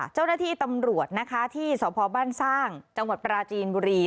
เจ้าหน้าที่ตำรวจนะคะที่สพบ้านสร้างจังหวัดปราจีนบุรี